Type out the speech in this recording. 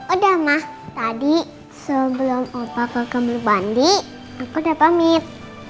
udah mah tadi sebelum opa ke kamar mandi aku udah pamit